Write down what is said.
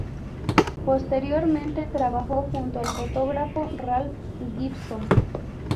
Posteriormente, trabajó junto al fotógrafo Ralph Gibson.